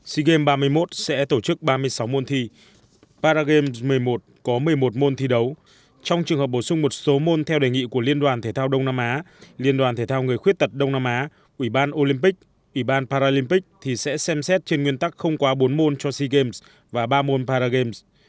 sea games ba mươi một sẽ tổ chức ba mươi sáu môn thi paragame một mươi một có một mươi một môn thi đấu trong trường hợp bổ sung một số môn theo đề nghị của liên đoàn thể thao đông nam á liên đoàn thể thao người khuyết tật đông nam á ủy ban olympic ủy ban paralympic thì sẽ xem xét trên nguyên tắc không quá bốn môn cho sea games và ba môn paragame